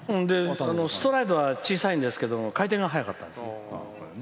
ストライドは小さいんですけど回転が速かったんです。